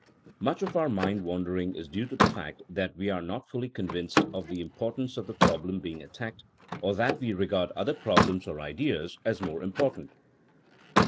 Much of our mind wandering is due to the fact tkat we are not fully convinced of the im portance of the problem being attacked, or that we regard other problems or ideas as more im portant.